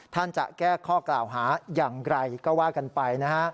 ท่านจะแก้ข้อกล่าวหาอย่างไรก็ว่ากันไปนะฮะ